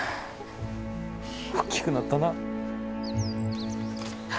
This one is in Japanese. おっきくなったなぁ。